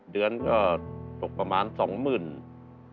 เดือนก็ตกประมาณ๒หมื่น